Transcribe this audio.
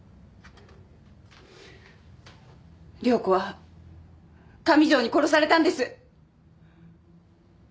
涼子は上条に殺されたんです。